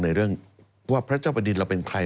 ในเรื่องว่าพระเจ้าประดินเราเป็นใคร